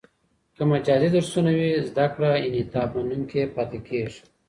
که مجازي درسونه وي، زده کړه انعطاف منونکې پاته کېږي.